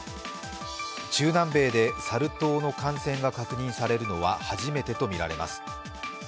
中南米でサル痘の感染が確認されるのは初めてとみられます。